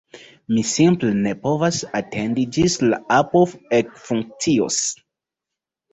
Mi simple ne povas atendi ĝis la apo ekfunkcios!